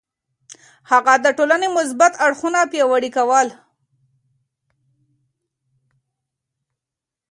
هغه د ټولنې مثبت اړخونه پياوړي کول.